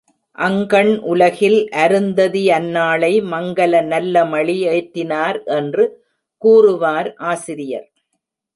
அங்கண் உலகில் அருந்ததி அன்னாளை மங்கல நல்லமளி ஏற்றினார் என்று கூறுவார் ஆசிரியர்.